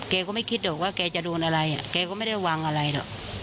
แกก็ไม่คิดหรอกว่าแกจะโดนอะไรแกก็ไม่ได้ระวังอะไรหรอก